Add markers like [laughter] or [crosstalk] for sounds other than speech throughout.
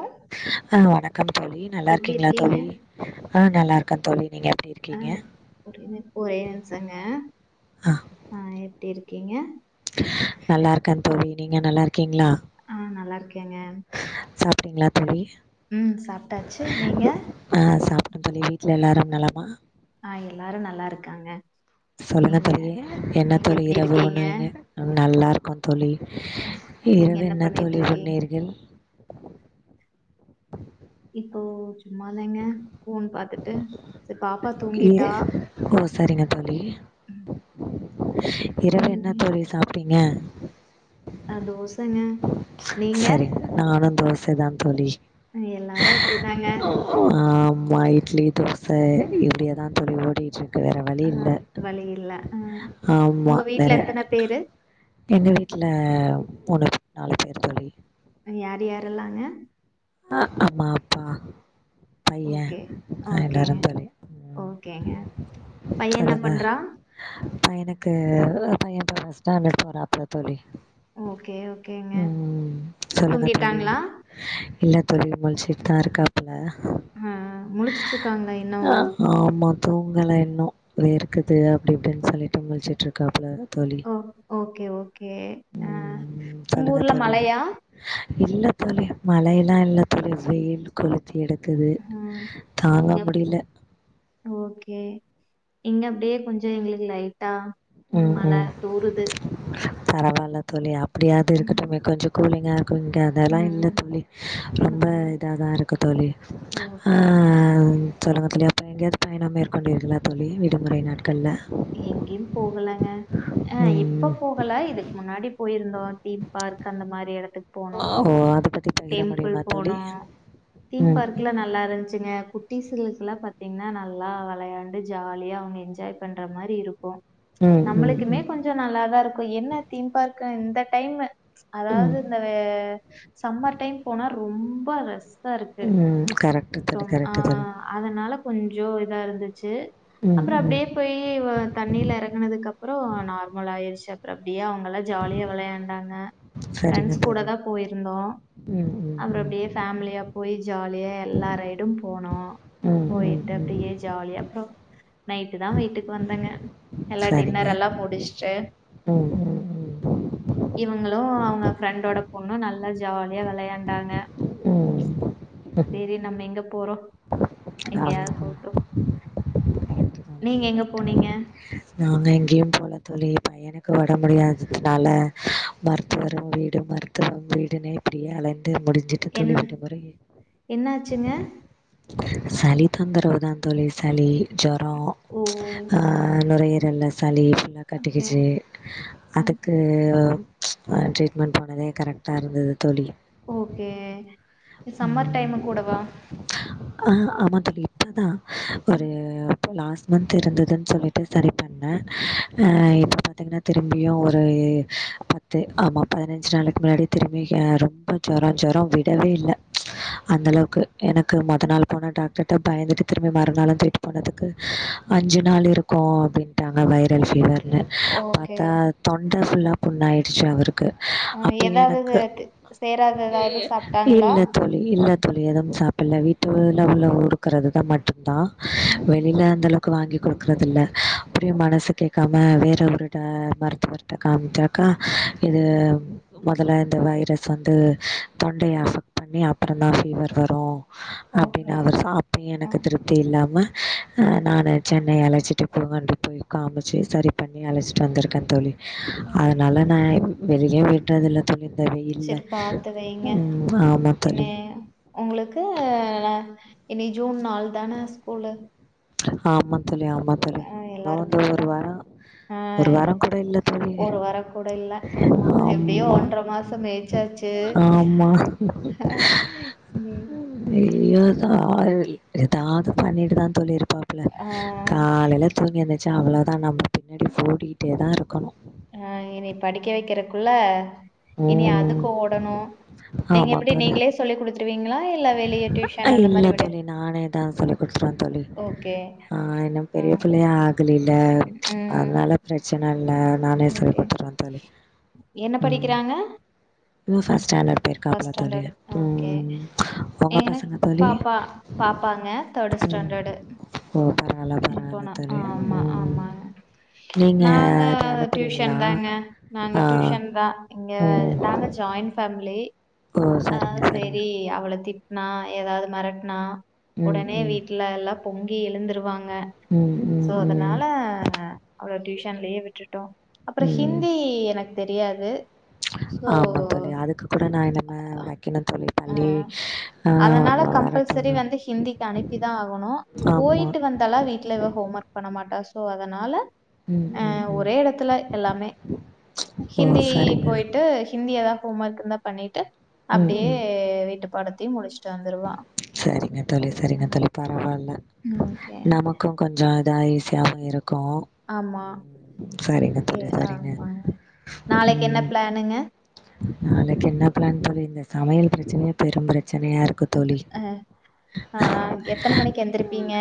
அ ஆஹ் வணக்கம் தோழி நல்லா எப்டி இருக்கீங்களா இருக்கீங்க தோழி ஆஹ் நல்லா இருக்க தோழி நீங்க எப்டி இருக்கீங்க? அஹ்ரியனு போச்சாங்க ஆ ஆஹ் டி இருக்கீங்க நல்லா இருக்க தோழி நீங்க நல்லா இருக்கீங்களா ஆ நல்லா இருக்கேங்க சாப்டிங்களா தோழி ம் சாப்ட்டாச்சு நீங்க ஆஹ் சாப்பிட்டோ தோழி வீட்டுல எல்லாரு நலமா ஆஹ் எல்லாரும் நல்லா இருக்காங்க சொல்லுங்க நீங்க தோழி என்ன நீங்க தோழி எப்டி இரவு இருக்கீங்க உணவுனு நல்லாருக் கோ தோழி நீங்க இரவு என்ன தோழி பண்ணிட்ருக்கீங் உண்ணீர்கள் ஓ சும்மா இல்லங்க ஃபோன் பாத்துட்டு செரி பாப்பா இ தூங்கிட்டா ஓ சரிங்க தோழி இரவு நீங்க என்ன தோழி சாப்டீங்க ஆ தோசங்க நீங்க சரி நானும் தோச சர்த்த தோழி எல்லாரு அப்படிதாங்க மா இட்லி தோஸ் ச இப்டியே தா துடி ஓடி வேற வழி ஆ இல்ல வழி இல்ல ஆ ஆமா உங்க வேற வீட்ல எத்தன பேரு எங்க வீட்டுல உனக் நாலு பேர் தோழி யார் யாரெல்லாங்க ஆஹ் அம்மா அப்பா பைய ஓகே அ எல்லாரு ஓகேங்க தோழி ஓகேங்க பையன் என்ன பண்றா எனக்கு பைய [unintelligible] ஃபஸ்ட் ஸ்டாண்டடு போற அப்புற தோழி ஓகே ஓகேங்க ம் தூங்கிட்டாங்ளா பெருயவ மூழிச்சிட்டு தா இருக்காப்ல ஆ முழிச்சுட்டு இருக்காங்களா இன்னும்? அஹ் ஆமா தூங்கல என் நோ இருக்குது அப்டி இப்டின்னு சொல்லிட்டு முழ்சுட்ருக்காப்புல ஓ ஓகே ஓகே அஹ் ம் உங்க ஊர்ல மழையா இல்லத்தோழி மழையெல்லாம் இல்லத்தோழி வெயில் குளி தி எடுக்குது ம். தாங்க இங்க முடியல ஓகே. இங்க அப்டியே கொஞ்ச எங்ளுக்கு லை ட்டா உ ம் மழ ம் தூறுது பரவால்ல தோழி அப் அப்டியாது ம். இருக்கட்டுமே கொஞ்ச கூலிங்கா இங்க அதெல்லா இல்ல ம், தோழி ரொம்ப அதாங்க. இதா தான் இருக்கு தோழி ஆ ஓகேங்க. சொல்லுங்க தோழி அப் இப்ப எங்யாது பயணம் மேற்கொண்டீர்களா தோழி விடுமுறை நாட் கல்லா எங்கேயும் போகலங்க ஆ இப்ப போகல இதுக்கு முன்னாடி போய் [unintelligible] இருந்தோ தீம் பார்க் அந்த மாரி இடத் துக் போனோ ஓ அத பத்தி பகிர டெம்பிள் முடியுமா தோழி போனோ தீம் ம் பார்க்லா நல்லா இருந்துச்சுங்க குட் டீசலுக்கெல்லா பாத்தீங்ன்னா நல்லா விளையாண்டு ஜாலியா அவுங்க என்ஜாய் பண்ற மாரி இருக் கு ம் ம் நம்மளுக்குமே ம் கொஞ்சோ நல்லாத இருக்கு என்ன தீம் பார்க் க இந்த டைம்மு அதாவது ம் இந்த வே சம்மர் டைம் போனா ரொம்ப ரெஸ் உம் கரெக்ட் தோழி கரெக்ட் தோழி அதனால கொஞ்சோ இதா இருந்துச் சு ம் அப்புறோ ம் அப்டியே [unintelligible] தண்ணில இறங்கனதுக்கு அப்புறோ நார்மல் ஆயிருச்சு அப்புறோ அப்டியே அவங்கள்ளா ஜாலியா விளையாண்டாங் க சரிங்க பிரண்ட்ஸ் கூட தோழி தா போயிருந்தோ ம் ம் அது ம் அப்டியே ஃபேமிலியா போய் ஜாலியா எல்லா ரைடும் போனோ ம் ம் போயிட்டு ம் அப்டியே ஜாலியா நைட் தா வீட்டுக்கு வந்தங்க எல்லா டின்னர் எல்லா முடிச்சுட்டு ம்ம் உம் இவுங்களு அவங்க ஃப்ரெண்டோட பொண்ணு நல்லா ஜாலியா விளையாண்டாங்க ம் சேரி நம்ம எங்க போறோ ஆமா எங்கயாது ஆமா கூட்டும் அதுதா நீங்க தோழி எங்க கரெக்டா போனீங்க நாங்க எங்கேயு போல தோழி பையனுக்கு உடம்பு முடியாததுனால ம், மருத்துவரும் வீடும் மரு [unintelligible] வீடுனு இப்டியே அழ டு முடிஞ்சுட்டு தோழி என்ன இந்த முறையு என்னாச்சுங்க சளி தொந்தரவு தா தோழி சளி ஜொரோம் ஓ ச் ஆ நுரையீரல்ல சளி ஃபுல்லா ஓகே கட்டிகிச்சு அதுக்கு ம் ச் ஆஹ் ட்ரீட்மெண்ட் போனதே கரெக்டா இருந்தது தோழி ஓகே இ சம்மர் ம் டைம் கூடவா ஆ ஆமா தோழி இப்பதா ஒரு இப்போ லாஸ் முத்து இருந்ததுன் சொல்லிட் சரி பண்ணே ஆஹ் இப்ப பாத்தீங்ன்னா திரும்பியும் ஒரு பத்து ஆமாம் பதினஞ்சு நாளுக்கு முன்னாடி திரும்பி ரொம்ப ஜொரம் ஜொரம் விடவே இல்ல அந்தளவுக்கு எனக்கு மொத நாள் போன டாக்டர் டப்பயந்துட்டு திரும்ப மறுநாள்ல திருப்பி தந்ததற்கு அஞ்சு நாள் இருக்கு மோதிட்டாங்க வைரல் ஃபீவர் ஓகே பாத்தா தொண்ட புல்லா புண்ணாயி தாவ [unintelligible] க்கு அப்பியு ஏதாவது எனக்கு தி- சேராத ஏதாவது சாப்பிட்டாங்களா இல்ல தோழி இல்ல தோழி எதும் சா பில்ல வீட்டுல் உள்ள உருக்கறது தா மட்டுந் தா வெளில அந்தள க வாங்கி குடுக் ட்னதுல்ல அப்டியு மனசு கேக்காம வேற ஒரு டா மருத்துவர்ட்ட காமிச்சாக்கா இது மொதல்ல இந்த வைரஸ் வந்து தொண்டைய அஃபெக்ட் பண்ணி அப்பறந்தா ஃபீவர் வரு அப்டின் ஓகே அவர் ச அப்பியு ஆ எனக்கு திருப்தி இல்லாம அ நானு சென்னை அழை வச்சுட்டு கொடுங்காண்டு போய் காமிச்சு சரி பண்ணி அழைச்சிட்டு வந்திருக்கேன் தோழி ஓகே அதனால நா வெளிலியே விட்றதில்ல தோழி இந்த வெயில்ல சரி பாத்து வைங்க ம் ஆமா என்ன தோழி உங்களுக்கு இனி ஜூன் நாள் தான ஸ்கூலு ஆம ஆமா தோழி ஆ இங்கே எல்லாருக்கு வந்து அதுதா ஒரு வாரம் ஆ ஒரு வாரம் கூட இல்ல தோழி ஒரு வார கூட இல்ல ஆமா எப்டியோ ஆமா ஒன்ற மாசோ மேய்ச்சாச்சு ஆமா நீ ஐயோ தாது பண்ணிட்டு தா தோழி இரு பாப்ள ஆ காலைல தூங்கி எந் ச அவ்லாதா நம் பின்னாடி ஃபோடிகிட்டேதா இரு க்கணு அ இனி படிக்க வெக்கறக்குள்ள இனி ம் அதுக்கு ஓடணு நீங்க எப்டி நீங்ளே சொல்லி குடுத்துருவீ அ இல்ல தோழி நானே தா சொல்லி குடுத்துருவே தோழி ஓகே ஆஹ் இன்னும் பெரிய ம் பிள்ளை ஆகலில்ல ம் அதுனால பிரச்சன இல்ல நானே சொல்லி ஓகே குடுத்துருவே தோழி என்ன ம் படிக்கிறாங்க யூஸா ஸாண்டர்ட் ஃபர்ஸ்ட் போயிருக்காப்பள தோழி ஸ்டாண்டர்ட் ஓகே உம் எனக்கு பாப்பா பாப்பாங்க தேர்டு ம் ஸ்டாண்டர்டு ஓ பரவால்ல பரவால்ல இப்பனா தோழி ஆமா ம் ஆமாங்க நீங்க நாங்க இது டியூஷன் தாங்க அனுப்புறீங்களா நாங்க ஆ டியூஷன் தான் இங்க ம் நாங்க ஜாயின் ஃபேமிலி ஓ செரிங்க செரிங்க திட்டுனா ஏதாவது மிரட்டனா ம் உடனே ம் வீட்ல எல்லாம் பொங்கி எழுந்துருவாங்க ம் அஹ் ம் சோ ம் அதனால அவள டியூஷன்லயே விட்டுட்டோம் அப்பறம் ம் ஹிந்தி எனக்கு தெரியாது ஸோ ஆமா தோழி அதுக்கு கூட நான் என்னமே வைக்கணும்னு சொல்லி பள்ளி ஆ அதனால கம்பல்சரி வரட்டும் வந்து ஹிந்திக்கு அனுப்பிதா ஆகணு ஆமா போயிட்டு வந்தாலா வீட்ல ஹோம் ஒர்க் பண்ண மாட்டா சோ அதனால ம் அ ம் ம் ஒரே இடத்துல எல்லாமே ஓ ஹிந்தி சரிங்க போயிட்டு ஹிந்தியதா ஹோம் ஒர்க் இருந்தா பண்ணிட்டு அப்டியே வீட்டு பாடத்த தி முடுச்சுட் செரிங்க தோழி செரிங்க தோழி பரவால்ல ஓகே நமக்கும் கொஞ்ச இதாயி ஈசியாவும் இருக் ஆமா செரிங்க எ தோழி செரிங்க ஆமாங்க நாளைக்கு என்ன ம் பிளானுங்க நாளைக்கு என்ன பிளான் பண்ணியிருந்தேன் சமையல் பிரச்சனையை பெரும் பிரச் பிரச்சனையா இருக்கு தோழி ஆ எத்தன [unintelligible] மணிக்கு எந்திரிப்பீங்க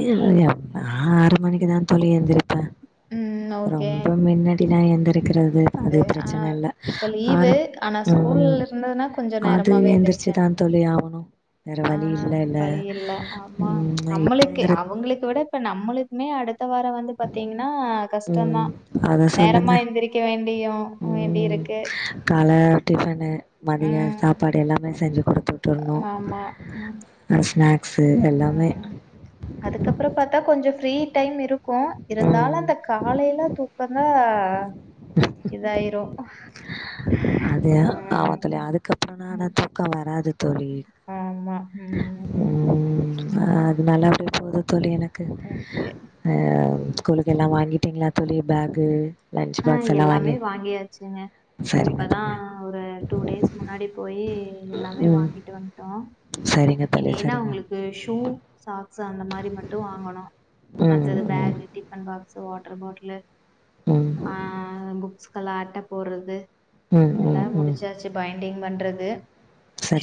எட்டு மணிக்கு தான் தோழி எழுந்திருப்பேன் ம் ஓகே ரொம்ப முன்னாடி நான் எந்திரிக இருக்கிறது அது பிரச்சனை இல்லை லீக் ஆனா ஸ்கூல்ல இருந்ததுன்னா கொஞ்சம் அது நேரமாவே எந்திருக்பேன் எந்திரிச்சுதா தோழி ஆவணு வேற ஆ வழி இல்லல்ல வழி இல்ல ஆமா ம் நம்மளுக்கு இப்பங்கிற அவங்களுக்கு விட இப்ப நம்மளுக்குமே அடுத் அடுத்த வாரம் வந்து பாத்தீங்கன்னா கஷ்டம்தா ம் அத நேரமா சொல்லுங்க எந்திரிக்க வேண் ம் கால டிஃபனு மதியம் ம் சாப்பாடு எல்லாமே செஞ்சு குடுத்து விட்டுர்ணு ஆமா உம் ஸ்நாக்ஸு எல்லாமே ம் அதுக்கப்பொற பார்த்தா கொஞ்ச ப்ரீ டைம் இருக்கு ம் இருந்தாலு அந்த காலைல தூக்கந்தா இதாயிரும் அது ஆமா ஹம் தோழி அதுக்கப்புறனா ஆனா தூக்க வராது தோழி ம். ம் அதுனால இருந்து தோழி எனக்கு ஓகே. ஹ்ம் ஸ்கூலுக்கு எல்லா வாங்கிட்டீங்களா தோழி பேக்கு அஹ் எல்லாமே வாங்கியாச்சுங்க சரிங்க இப்பதா தோழி ஒரு டூ டேஸ் முன்னாடி போயி எல்லாமே ம் வாங்கிட்டு வன்ட்டோம் சரிங்க தோழி இனி என்னா சரிங்க அவங்களுக்கு ஷூ சாக்ஸ் சு அந்த மாரி மட்டு வாங்கணும் ம் மற்றது ம் bag tiffin box water bottle இல்ல ம் ஆ புக்ஸ் களா அட்ட போடறது ம் எல்லா ம் ம் முடிச்சாச்சு பய அப்டின் பண்றது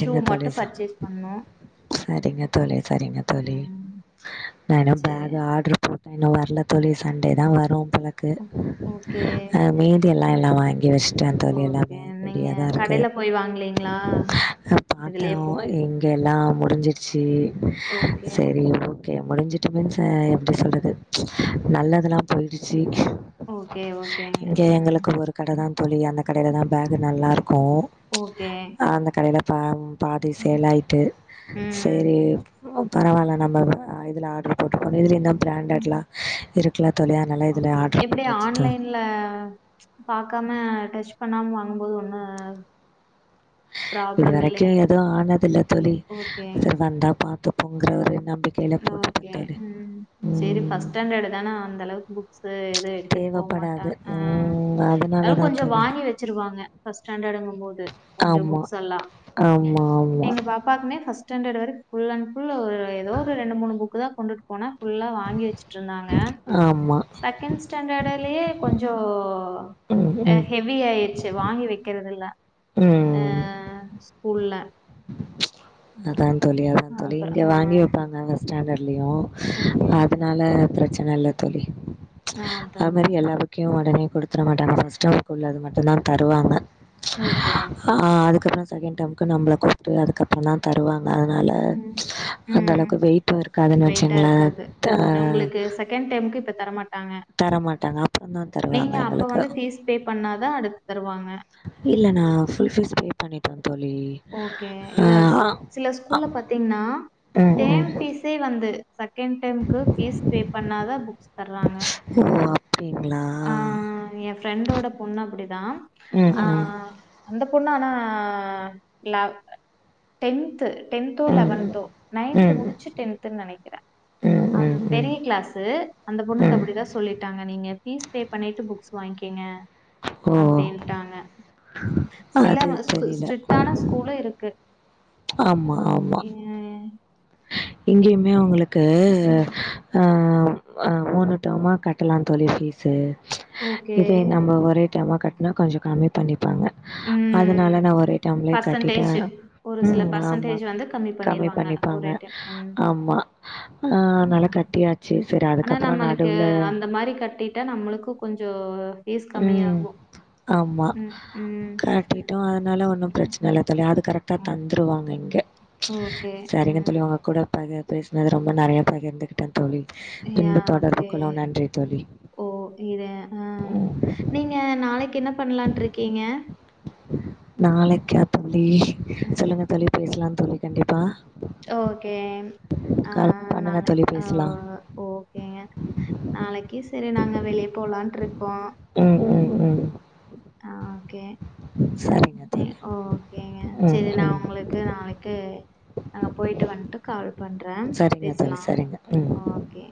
ஷூ தோழி மட்டு பர்ச்சேஸ் பண்ணோ சரிங்க தோழி சரிங்க தோழி ம் நானே சரி பேக் ஆர்டரு போட்டு இன்னு வர்ல தோழி சண்டேதா வரு போலருக்கு ஓகே அஹ் மீதி எல்லாம் எல்லா வாங்கி வச்டேன் தோழி ஓகே எல்லாமே நீங்க ரெடியாதா இருக்கு கடையில போய் வாங்கலீங்களா பார்த்தே இதுலயே போ இங்க எல்லாம் முடிஞ்ருச்சு ஓகே சரி ஓகே முடிஞ்சட்டு [unintelligible] எ எப்படி சொல்றது நல்லதல்லா போயிடுச்சு ஓகே ஓகேங்க இங்க ம் எங்களுக்கு ஒரு கடைதா தோழி அந்த கடையிலதா பேக் நல்லாயிருக் கும் ஓகே அந்த கடையில பாம் பாதி சேலாயிட்டு சேரி ம் பரவாயில்ல நம்ம இதுல ஆர்டர் போட்டுருக மீதி எல்லாம் பிராண்டட்லா இருக்குல தோழி அதுனால இதுல ஓகே. ஆர்ட்ரு எப்படி போட்டச்சு தோ ஆன்லைன்ல பாக்காம டச் பண்ணாம வாங்கும்போது ஒண்ணு இது வரைக்கும் எதுவும் ஆனதில்ல தோழி ஓகே, சரி வந்தா பார்ப்போம் போங்கிறவரை நம் ஓகே உம் சரி ம் ஃபர்ஸ்ட் ஸ்டாண்டர்டு தானே அந்த அளவுக்கு புக்ஸ் எதுவும் எடுத்துட்டு போக தேவப்படாது மாட்டான் ஹ ம் அத அதனால தா கொஞ்சொ தோழி வாங்கி வச்சிருவாங்க ஃபர்ஸ்ஸாண்டங்க போது கொஞ்சம் ஆமா புக்ஸ்லாம் ஆமா ஆமா எங்க பாப்பாக்குனே பஸ்ட் ஃபர்ஸ்ட்ஸ்டேண்டர் வரை ஃபுல் அண்ட்ஃபுல் ஒரு ஏதோ ரெண்டு மூணு புக்கு தான் கொண்டுட்டு போன ஃபுல்லா வாங்கி வச்சுட்டு இருந்தாங்க ஆமா செகண்ட் ஸ்டாண்டர்டு, யே கொஞ்சம் ம் அ ம் ஹெவி ஆயிருச்சு வாங்கி வைக்கிறது இல்ல ம்ம்ம் உள்ள அதான் சொல்லிய தான் சொி அப்றோ இங்க ஆ வாங்கிவைப்பாங்க ஸ்டாண்ட் ஓகே அதனால பிரச்சனை நல்லத்தோழி ஆ அதா அது அதா மாதிரி எல்லாபுக்கையும் உடனே கொடுத்து தர மாட்டாங்க ஃபஸ்ட் டேர்ம்க்கு உள்ள அது மட்டும் தான் தருவாங்க ஓகே ஆஹ் அதுக்கப்புறம் செகண்ட் டேர்ம் நம்மளை கூப்ட்டு அதுக்கப்புற தான் தருவா அதனால ம் அந்த ம் அளவுக்கு வெயிட்டும் இரு வெயிட்டா இருக்காது ஓ உங்களுக்கு செகண்ட் டேர்ம் இப்ப தரமாட் தரமாட்டாங்க அப்புறந்தா நீங்க அப்ப வந்து ஃபீஸ் பே பண்ணாதா அடுத்து தருவாங்க இல்ல நான் ஃபுல் ஃபீஸ் பே பண்ணிட்டேன் தோழி ஓகே ஆ இல்ல சில ஸ்கூல்ல பாத்தீங்கன்னா ம் டேம் ம் ஃபீஸே வந்து செகன்ட் டேம்க்கு ஃபீஸ் பே பண்ணாதா புக்ஸ் தர்றாங்க ஓ அப்டிங்களா அ என் ஃப்ரெண்டோ த பொண்ணு அப்படிதா ம் ஆ ம் அந்த உன்னு ஆனா இல்லா டென்த்து டென்த்தோ ம் லேவெந்தோ நைந்த் ம் முடிச்சு டென்த்னு நினைக்கிற ம் ம் ம் பெரிய க்ளாசு அந்த பொண்ணுக்கு ம் அப்படிதா சொல்லலிட்டாங்க நீங்க ஃபீஸ் பே பண்ணிட்டு புக்ஸ் வாங்கிக்கங்க ஓ அப்படின்ட்டாங்க சில அது ஸ்கு தெரில ஸ்ட்ரீடான க்கு ஆமா ஆமா எங்கேயுமே அவங்களுக்கு அஹ் ஆஹ ஓணட்டோமா கட்டலான் தோழி ஃபீஸு ப்ச் ஓகே இதே நம்ம ஒரே டெர்ம்மா கட்னா கொஞ்சோ கம்மி பண்ணி ப்பாங்க அதனால நா ஒரே டெர்ம்லயே கட்டிட்டே பர்சன்டேஜ் ஒரு சில ம் ஆமா பர்சன்டேஜ் வந்து கம்மி பண்ணிடுவாங்க பண்ணி பாங்க ஒரு டைம் ஆமா ஆஹ் நல்லா கட்டியாச்சு சரி ஆனா அதுக்கப்புறம் நம்மளுக்கு நடுவுல அந்த மாதிரி கட்டிட்டா நம்மளுக்கும் கொஞ்சம் ஃபீஸ் ம் கம்மியாகும் ஆமா ம் ம் கட்டிட்டோ அதனால ஒன்னும் பிரச்சன இல்ல தோழி அது கரெக்டா தந்துருவாங்க இங்க ஓகே [unintelligible] ம் தோழி உங்க கூட பகர் பேசினது ரொம்ப நெறயா பகர்ந்துக்கிட்டேன் தோழி யா பின்பு தொடர்பு ஓகே கொள்ளோ நன்றி தோழி ஓ இ ஆஹ் நீங்க நாளைக்கு என்ன பண்ணலான்ட்டு இருக்கீங்க நாளைக்கா தோழி சொல்லுங்க தோழி பேசலா தோழி கண்டிப்பா ஓகே கால் ஆஹ் பண்ணுங்க நாளை தோழி பேசலா ஆஹ் ஓகேங்க நாளைக்கு செரி நாங்க வெளிய போலான்ட்டு இருக்கோ ம் ம் ம் ஹ ஓகே சரிங்க தோழி ஹ் ஓகேங்க ம் சரி நா ம் உங்களுக்கு நாளைக்கு நாங்க போயிட்டு வந்ட்டு கால் பண்றேன் சரிங்க தோழி பேசலாம் சரிங்க ம் ஓகே